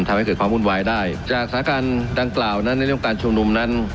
ทำให้เกิดความบุญไวได้จากสาขาลดังกล่าวนั่นในเรื่องการชุมนุมนั่น